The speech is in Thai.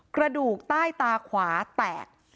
กระดูกใต้ตาขวาแตก